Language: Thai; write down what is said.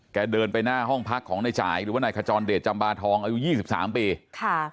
เดินไปหน้าห้องพักของนายจ่ายหรือว่านายขจรเดชจำบาทองอายุยี่สิบสามปีค่ะ